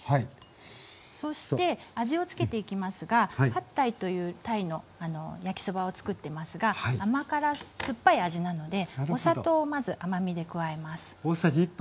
そして味を付けていきますがパッタイというタイの焼きそばを作ってますが甘辛酸っぱい味なのでお砂糖をまず甘みで加えます。